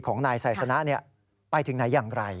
ของนายไซสนะไปถึงไหนอย่างไร